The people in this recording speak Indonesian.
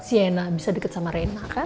sienna bisa deket sama rena kan